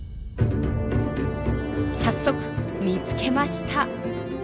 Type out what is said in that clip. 早速見つけました。